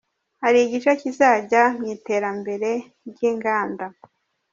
Hari igice kizajya mu iterambere ry’inganda.